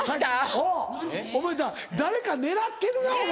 おうお前誰か狙ってるなお前。